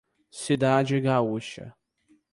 Cidade Gaúcha